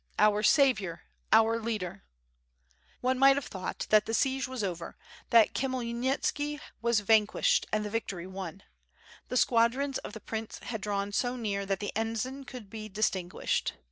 our saviour! our leader!'' One might have thought that the siege was over, that Khmyel nitski was vanquished and the victory won. The squadrons of the prince had drawn so near that the ensign could be distinguished.